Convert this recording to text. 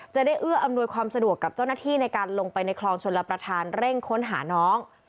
เอื้ออำนวยความสะดวกกับเจ้าหน้าที่ในการลงไปในคลองชลประธานเร่งค้นหาน้อง